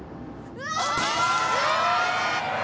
うわ！